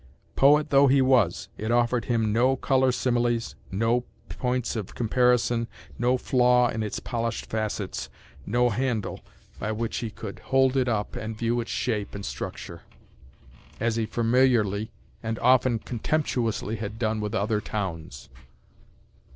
Poet though he was, it offered him no color similes, no points of comparison, no flaw in its polished facets, no handle by which he could hold it up and view its shape and structure, as he familiarly and often contemptuously had done with other towns.